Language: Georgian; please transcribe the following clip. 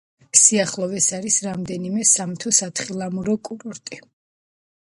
სიახლოვეს არის რამდენიმე სამთო-სათხილამურო კურორტი.